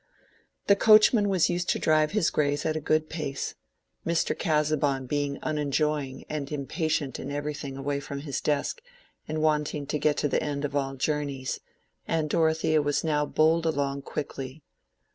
The coachman was used to drive his grays at a good pace, Mr. Casaubon being unenjoying and impatient in everything away from his desk, and wanting to get to the end of all journeys; and Dorothea was now bowled along quickly.